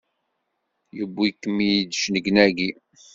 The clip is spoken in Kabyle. Yewwi-kem-id cennegnagi!